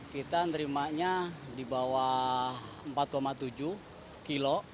kita nerimanya di bawah empat tujuh kilo